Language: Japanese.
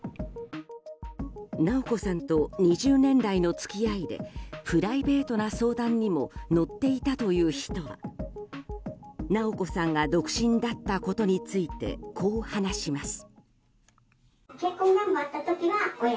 直子さんと２０年来の付き合いでプライベートな相談にも乗っていたという人は直子さんが独身だったことについてこう話します。